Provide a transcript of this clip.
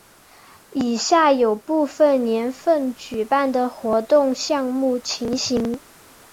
以下有部分年份举办的活动项目情形。